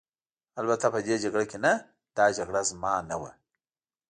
البته په دې جګړه کې نه، دا جګړه زما نه وه.